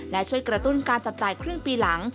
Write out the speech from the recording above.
และช่วยกระตุ้นการจับจ่ายครึ่งปีหลัง